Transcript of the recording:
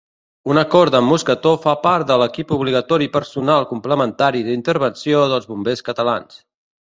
Una corda amb mosquetó fa part de l'equip obligatori personal complementari d'intervenció dels bombers catalans.